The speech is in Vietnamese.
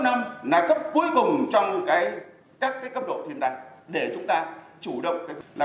là cấp cuối cùng trong các cấp độ thiên tài để chúng ta chủ động